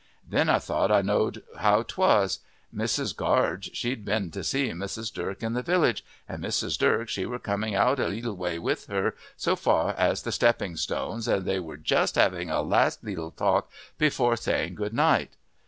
Then I thought I know'd how 'twas: Mrs. Gaarge, she'd a been to see Mrs. Durk in the village, and Mrs. Durk she were coming out a leetel way with her, so far as the stepping stones, and they wur just having a last leetel talk before saying Good night.